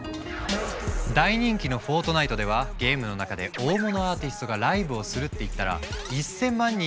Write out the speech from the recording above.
大人気の「フォートナイト」ではゲームの中で大物アーティストがライブをするって言ったら。